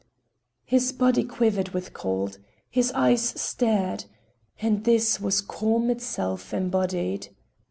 His body quivered with cold. His eyes stared. And this was calm itself embodied.